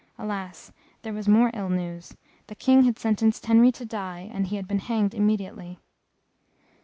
Alas! there was more ill news the King had sentenced Henry to die, and he had been hanged immediately.